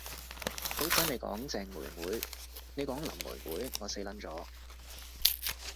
好彩妳講鄭妹妹，妳講林妹妹我死 𨶙 咗